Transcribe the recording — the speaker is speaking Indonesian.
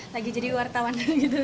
lagi jadi wartawan gitu